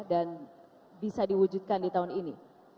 dan bisa diwujudkan di tahun ini